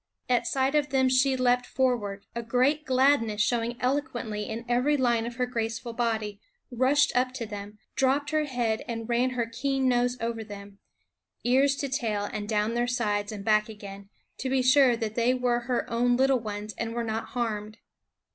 At sight of them she leaped for ward, a great gladness showing eloquently in every line of her graceful body, rushed up to them, dropped her head and ran her keen nose over them, ears to tail and down their sides and back again, to be sure, and sure again, that they were her own little ones and were not harmed.